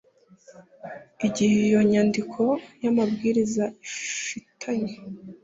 igihe iyo nyandiko y amabwiriza ifitanye